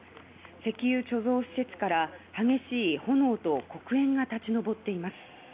石油貯蔵施設から激しい炎と黒煙が立ち上っています。